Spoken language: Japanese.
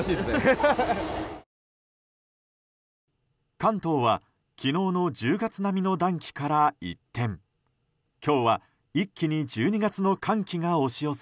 関東は昨日の１０月並みの暖気から一転今日は一気に１２月の寒気が押し寄せ